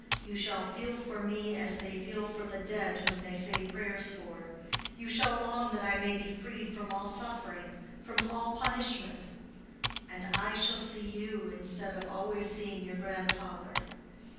You shall feel for me as they feel for the dead whom they say prayers for—you shall long that I may be freed from all suffering—from all punishment. And I shall see you instead of always seeing your grandfather.